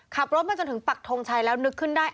ขับรถมาจนถึงปักทงชัยแล้วนึกขึ้นได้